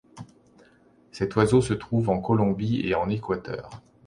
Cet oiseau se trouve en Colombie et en Équateur.